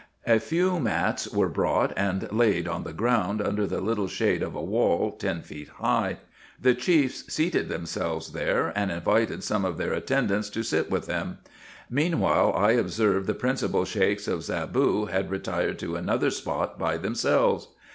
A few mats were brought and laid on the ground, under the little shade of a wall, ten feet high. The chiefs seated themselves there, and invited some of their attendants to sit with them. Meanwhile I observed the principal Sheiks of Zaboo had retired to another spot by themselves.